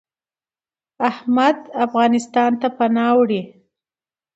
احمد افغانستان ته پناه وړي .